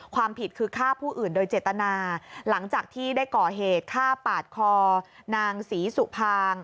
ความผิดคือฆ่าผู้อื่นโดยเจตนาหลังจากที่ได้ก่อเหตุฆ่าปาดคอนางศรีสุภาง